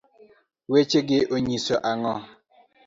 weche gi onyiso ang'o?